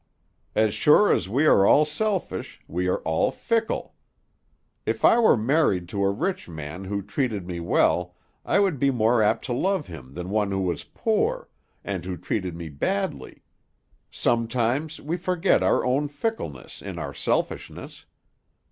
As sure as we are all selfish, we are all fickle. If I were married to a rich man who treated me well, I would be more apt to love him than one who was poor, and who treated me badly; sometimes we forget our own fickleness in our selfishness.